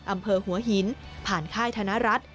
อำเภอหัวหินผ่านค่ายธนรัฐ